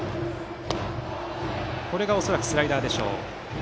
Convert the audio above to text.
今のが恐らくスライダーでしょう。